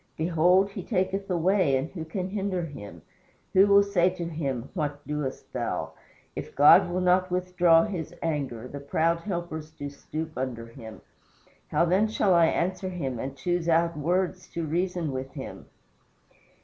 Behold, he taketh away, and who can hinder him? who will say unto him, What doest thou? If God will not withdraw his anger, the proud helpers do stoop under him. How then shall I answer him and choose out words to reason with him?"